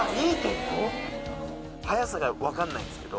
速さが分かんないんすけど。